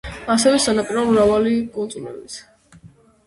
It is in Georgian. ასევე სანაპირო, მრავალი კუნძულებით.